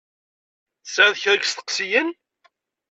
Tesεiḍ kra n yisteqsiyen?